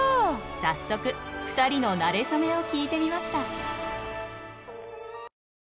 早速２人のなれ初めを聞いてみました。